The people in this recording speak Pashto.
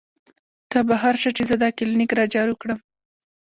تۀ بهر شه چې زۀ دا کلینک را جارو کړم " ـ